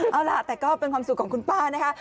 เอาล่ะแต่ก็เป็นความสุขของคุณป้านะคะ